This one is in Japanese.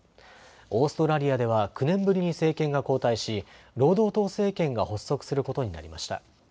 オーストラリアでは９年ぶりに政権が交代し労働党政権が発足することになりました。